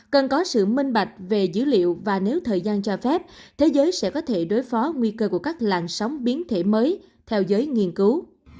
cần có sự minh bạch về dữ liệu và nếu thời gian cho phép thế giới sẽ có thể đối phó nguy cơ của các làn sóng biến thể mới theo giới nghiên cứu